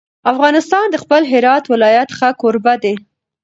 افغانستان د خپل هرات ولایت ښه کوربه دی.